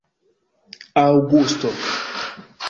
aŭgusto